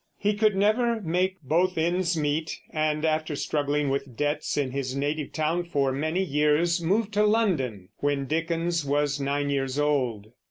He could never make both ends meet, and after struggling with debts in his native town for many years, moved to London when Dickens was nine years old.